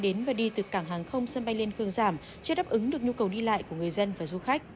đến và đi từ cảng hàng không sân bay liên khương giảm chưa đáp ứng được nhu cầu đi lại của người dân và du khách